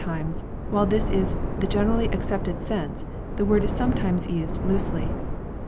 296 FINANCIAL RECORDS times, while this is the generally accepted sense, the word is sometimes used loosely.